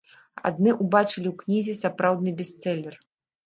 Адны ўбачылі ў кнізе сапраўдны бестселер.